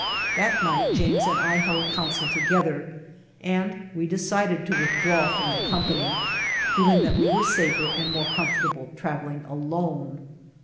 That night James and I held council together and we decided to withdraw from the company, feeling that w^e were safer and more comfortable traveling alone.